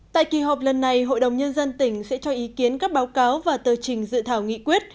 tại kỳ họp lần này hội đồng nhân dân tỉnh sẽ cho ý kiến các báo cáo và tờ trình dự thảo nghị quyết